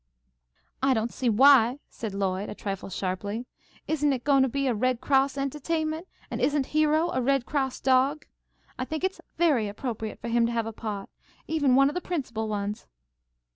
"I don't see why," said Lloyd, a trifle sharply. "Isn't it going to be a Red Cross entahtainment, and isn't Hero a Red Cross dog? I think it's very appropriate for him to have a part, even one of the principal ones."